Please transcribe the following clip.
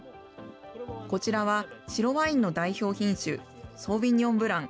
こちらは白ワインの代表品種、ソーヴィニヨン・ブラン。